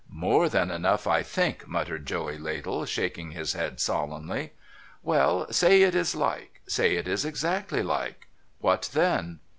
' More than enough, I think,' muttered Joey Ladle, shaking his head solemnly. ' Well, say it is like ; say it is exactly like. What then